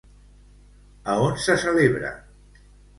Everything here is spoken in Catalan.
A on se celebra?